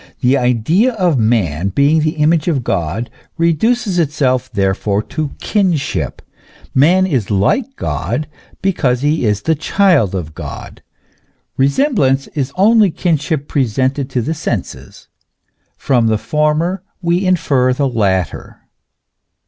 The idea of man being the image of God reduces itself therefore to kinship ; man is like God, because he is the child of God. Resemblance is only kinship presented to the senses ; from the former we infer the latter.